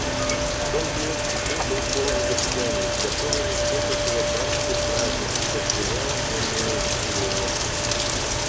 Дом его всегда был полон гостями, готовыми тешить его барскую праздность, разделяя шумные увеселения.